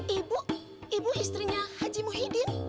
ibu ibu istrinya haji muhyiddin